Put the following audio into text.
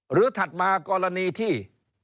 หรือถัดมากรณีที่